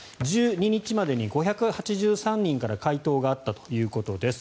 １２日までに５８３人から回答があったということです。